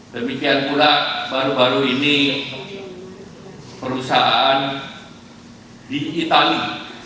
demikian pula baru baru ini perusahaan di itali